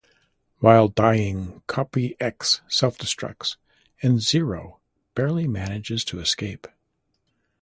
While dying, Copy X self-destructs and Zero barely manages to escape.